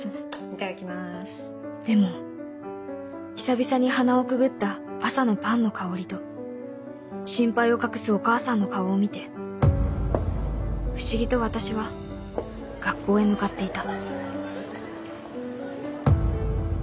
でも久々に鼻をくぐった朝のパンの香りと心配を隠すお母さんの顔を見て不思議と私は学校へ向かっていた